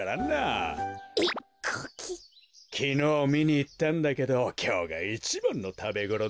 きのうみにいったんだけどきょうがいちばんのたべごろだぞ。